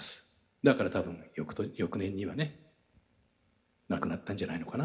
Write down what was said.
だから多分翌年にはね亡くなったんじゃないのかな。